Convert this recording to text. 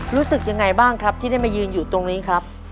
รู้สึกยังไงบ้างครับที่ได้มายืนอยู่ตรงนี้ครับ